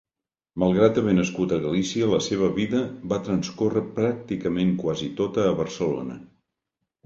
Malgrat haver nascut a Galícia, la seva vida va transcórrer pràcticament quasi tota a Barcelona.